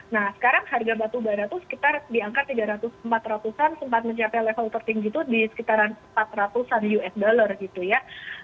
nah sekarang harga batubara itu sekitar di angka tiga ratus empat ratus an sempat mencapai level tertinggi itu di sekitaran empat ratus an usd gitu ya